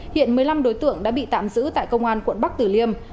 hiện một mươi năm đối tượng đã bị tạm giữ tại công an quận bắc tử liêm